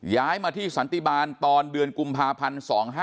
ย้ายมาที่สันติบาลตอนเดือนกุมภาพันธ์๒๕๕๙